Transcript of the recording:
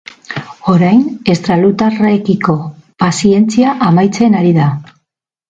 Orain estralurtarrekiko pazientzia amaitzen ari da.